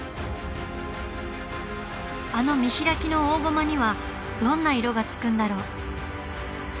あの見開きの大ゴマにはどんな色がつくんだろう？